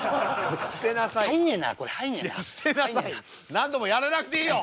何度もやらなくていいの！